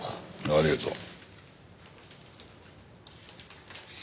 ありがとう。